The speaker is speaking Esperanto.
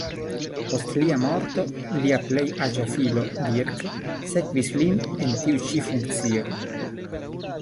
Post lia morto lia plej aĝa filo, Dirk, sekvis lin en tiu ĉi funkcio.